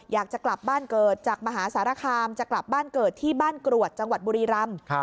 อยากจะกลับบ้านเกิดจากมหาสารคามจะกลับบ้านเกิดที่บ้านกรวดจังหวัดบุรีรำ